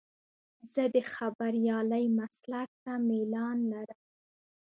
زه د خبریالۍ مسلک ته میلان لرم.